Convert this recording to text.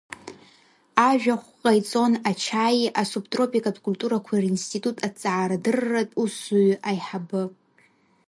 Ажәахә ҟаиҵон Ачаии асубтропикатә культурақәеи ринститут аҭҵаарадырратә усзуҩы еиҳабы.